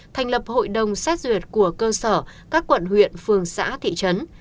thành lập hội đồng xét duyệt của cơ sở các quận huyện phường xã thị trấn